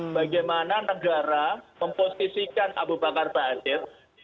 bagaimana negara memposisikan abu bakar basir